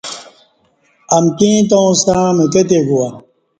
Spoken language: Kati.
امکی ییں تاوں ستݩع مکہ تے گواہ